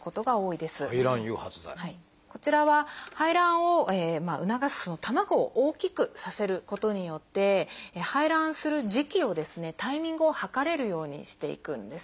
こちらは排卵を促す卵を大きくさせることによって排卵する時期をですねタイミングをはかれるようにしていくんですね。